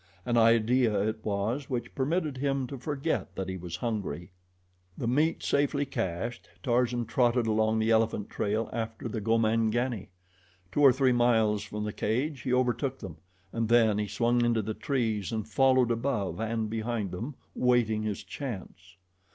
An idea, it was, which permitted him to forget that he was hungry. The meat safely cached, Tarzan trotted along the elephant trail after the Gomangani. Two or three miles from the cage he overtook them and then he swung into the trees and followed above and behind them waiting his chance.